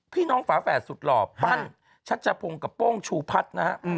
พี่น้องฝาแฝดสุดหล่อปั้นชัชภงกับปกชูพัดนะฮะ